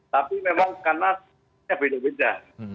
tapi memang karena beda beda